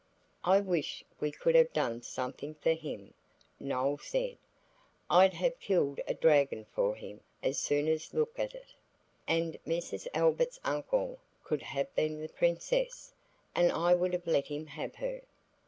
"I wish we could have done something for him," Noël said "I'd have killed a dragon for him as soon as look at it, and Mrs. Albert's uncle could have been the Princess, and I would have let him have her."